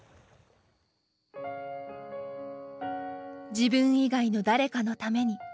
自分以外の誰かのために。